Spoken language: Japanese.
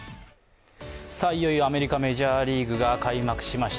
いよいよアメリカ・メジャーリーグが開幕しました。